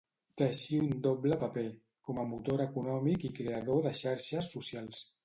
Té així un doble paper, com a motor econòmic i creador de xarxes socials.